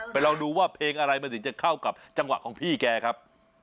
ลองดูว่าเพลงอะไรมันถึงจะเข้ากับจังหวะของพี่แกครับ